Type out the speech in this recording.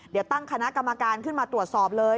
เดี๋ยวตั้งคณะกรรมการขึ้นมาตรวจสอบเลย